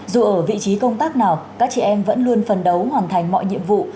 dù ở vị trí công tác nào các chị em vẫn luôn phần đấu hoàn thành mọi nhiệm vụ